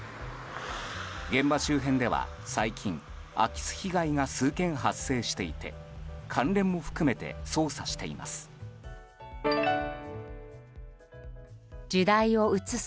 現場周辺では最近空き巣被害が数件発生していて関連も含めて捜査しています。